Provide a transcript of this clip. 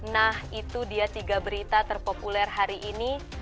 nah itu dia tiga berita terpopuler hari ini